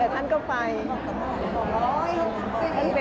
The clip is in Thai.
แต่ท่านก็ไป